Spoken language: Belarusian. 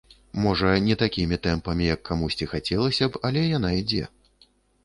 Можа, не такімі тэмпамі, як камусьці хацелася б, але яна ідзе.